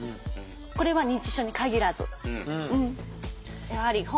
これは認知症に限らず。